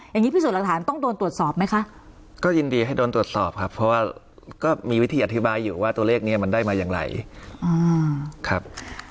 อย่างนี้พิสูจน์หลักฐานต้องโดนตรวจสอบไหมคะก็ยินดีให้โดนตรวจสอบครับเพราะว่าก็มีวิธีอธิบายอยู่ว่าตัวเลขนี้มันได้มาอย่างไรครับ